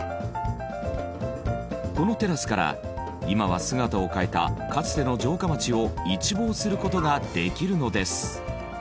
このテラスから今は姿を変えたかつての城下町を一望する事ができるのです。